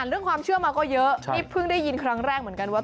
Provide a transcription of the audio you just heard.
เรื่องความเชื่อมาก็เยอะนี่เพิ่งได้ยินครั้งแรกเหมือนกันว่า